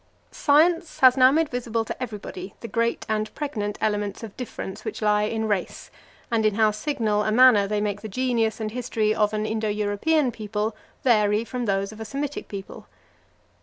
Science has now made visible to everybody the great and pregnant elements of difference which lie in race, and in how signal a manner they make the genius and history of an Indo European people vary from those of a Semitic people.